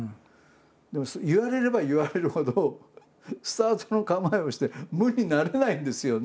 でも言われれば言われるほどスタートの構えをして無になれないんですよね。